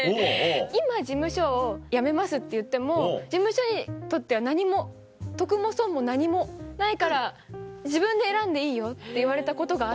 「今『事務所を辞めます』って言っても事務所にとっては何も得も損も何もないから自分で選んでいいよ」って言われたことがあって。